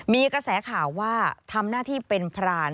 มีกระแสข่าวว่าทำหน้าที่เป็นพราน